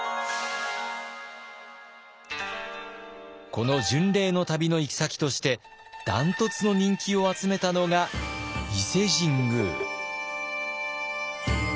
この巡礼の旅の行き先として断トツの人気を集めたのが伊勢神宮。